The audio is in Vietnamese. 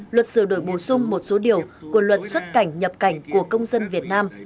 luật sửa đổi bổ sung một số điều của luật xuất cảnh nhập cảnh của công dân việt nam